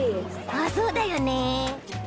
あっそうだよね。